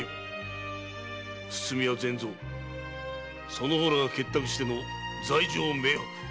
その方らが結託しての罪状明白。